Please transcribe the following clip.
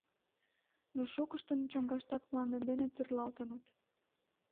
Но шукыштын чоҥгаташт мланде дене тӧрлалтыныт.